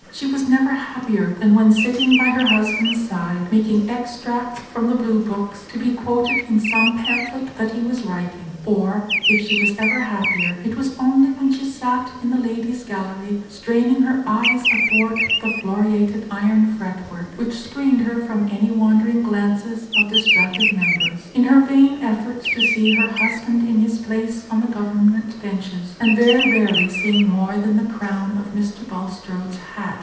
She was never happier than when sitting by her husband's side, making extracts from the Blue books, to be quoted in some pamphlet that he was writing; or if she was ever happier, it was only when she sat in the ladies' gallery, straining her eyes athwart the floriated iron fretwork, which screened her from any wandering glances of distracted members, in her vain efforts to see her husband in his place on the government benches, and very rarely seeing more than the crown of Mr. Bulstrode's hat.